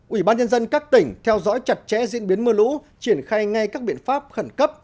ủy ban nhân dân các tỉnh theo dõi chặt chẽ diễn biến mưa lũ triển khai ngay các biện pháp khẩn cấp